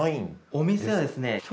お店はですね基本。